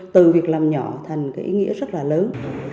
từ việc làm nhỏ thành cái ý nghĩa rất là lớn